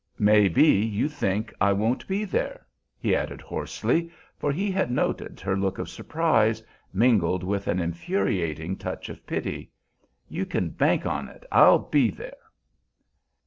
"May be you think I won't be there?" he added hoarsely, for he had noted her look of surprise, mingled with an infuriating touch of pity. "You kin bank on it I'll be there."